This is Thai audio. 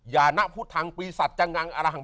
แต่เวลาผีมันมาจริง